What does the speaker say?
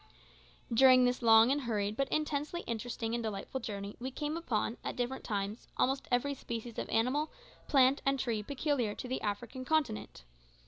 During this long and hurried but intensely interesting and delightful journey we came upon, at different times, almost every species of animal, plant, and tree peculiar to the African continent.